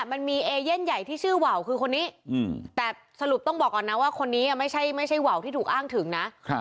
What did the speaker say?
มันมีเอเย่นใหญ่ที่ชื่อว่าวคือคนนี้แต่สรุปต้องบอกก่อนนะว่าคนนี้ไม่ใช่ว่าวที่ถูกอ้างถึงนะ